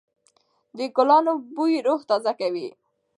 د ګلانو بوی روح تازه کوي.